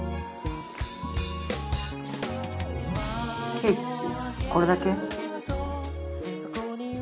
ケーキこれだけ？